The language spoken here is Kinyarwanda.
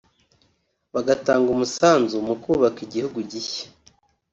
bagatanga umusanzu mu kubaka igihugu gishya